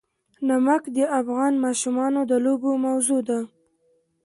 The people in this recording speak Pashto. نمک د افغان ماشومانو د لوبو موضوع ده.